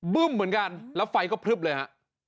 เหมือนกันแล้วไฟเขาพึบเลยอ่ะ